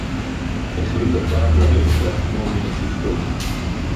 החליט הפעם לרדת בעצמו מן השלטון